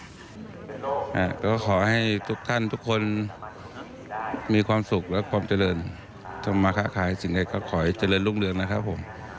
ขอให้ทุกท่านทุกคนมีความสุขและความเจริญธรรมค้าขายสิ่งใดก็ขอให้เจริญรุ่งเรืองนะครับผม